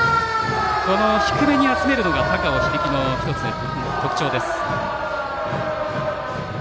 低めに集めるのが高尾響の特徴です。